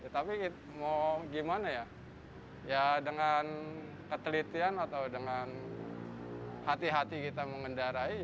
tapi mau gimana ya dengan ketelitian atau dengan hati hati kita mengendarai